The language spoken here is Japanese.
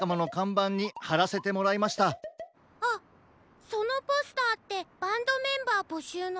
あっそのポスターってバンドメンバーぼしゅうの？